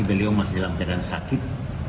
beliau masih dalam keadaan sakit